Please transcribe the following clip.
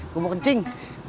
gue mau kencing